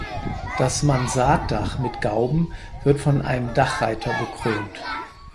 Das Mansarddach mit Gauben wird von einem Dachreiter bekrönt.